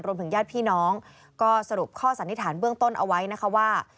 ญาติพี่น้องก็สรุปข้อสันนิษฐานเบื้องต้นเอาไว้นะคะว่า